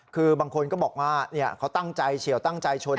คือบางคนก็บอกว่าเขาตั้งใจเฉียวตั้งใจชน